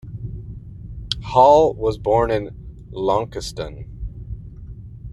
Hall was born in Launceston.